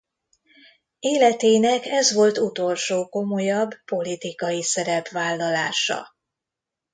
Életének ez volt utolsó komolyabb politikai szerepvállalása.